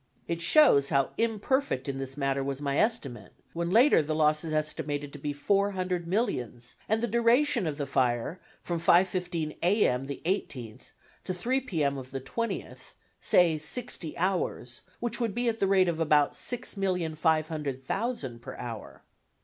It shows how imperfect in this matter was my estimate, when later the loss is estimated to be four hundred millions, and the duration of the fire, from 5:15 A. M., the 18th to 3 P. M. of the 20th say sixty hours, which would be at the rate of about six million five hundred thousand per hour.